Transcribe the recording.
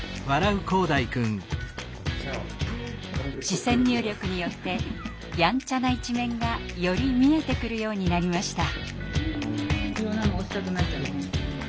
視線入力によってやんちゃな一面がより見えてくるようになりました。